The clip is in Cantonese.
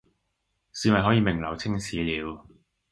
是咪可以名留青史了